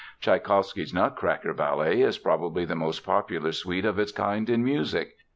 Tschaikowsky's Nutcracker ballet is probably the most popular suite of its kind in music.